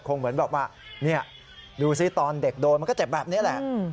เหมือนแบบว่านี่ดูสิตอนเด็กโดนมันก็เจ็บแบบนี้แหละ